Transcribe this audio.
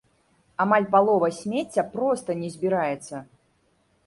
Амаль палова смецця проста не збіраецца.